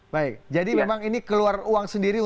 baik jadi memang ini keluar uang sendiri